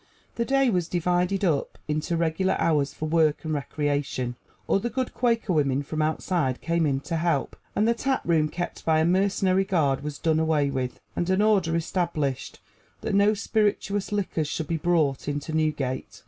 The day was divided up into regular hours for work and recreation. Other good Quaker women from outside came in to help; and the taproom kept by a mercenary guard was done away with, and an order established that no spirituous liquors should be brought into Newgate.